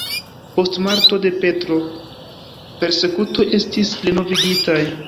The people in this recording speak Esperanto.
Post morto de Petro persekutoj estis renovigitaj.